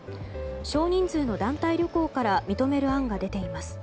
少人数の団体旅行から認める案が出ています。